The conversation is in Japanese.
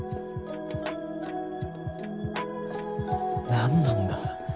何なんだ？